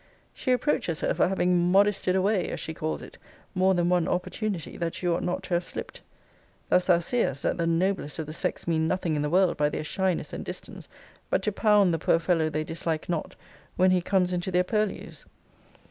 She reproaches her for having MODESTY'D away, as she calls it, more than one opportunity, that she ought not to have slipt. Thus thou seest, that the noblest of the sex mean nothing in the world by their shyness and distance, but to pound the poor fellow they dislike not, when he comes into their purlieus.